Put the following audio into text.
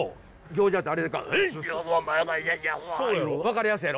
分かりやすいやろ？